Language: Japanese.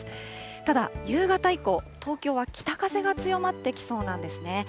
ただ、夕方以降、東京は北風が強まってきそうなんですね。